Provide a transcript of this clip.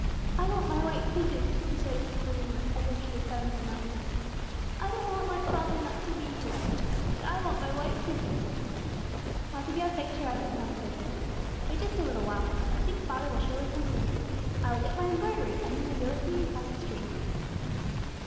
"I want my white pigeons," she said, with a quivering lip, as if she had suddenly remembered them. "I don't want my father not to be here!" she sobbed; "and I want my white pigeons!" Abigail picked her up and comforted her. "Wait just a little while. I think father will surely come soon. I will get my embroidery, and you may go with me across the street."